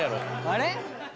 あれ？